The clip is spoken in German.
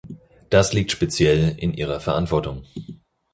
Das liegt speziell in Ihrer Verantwortung.